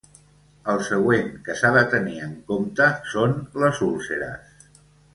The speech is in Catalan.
El següent que s'ha de tenir en compte són les úlceres.